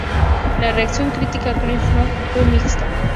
La reacción crítica a A Kind of Magic fue mixta.